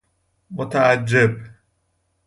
متعجب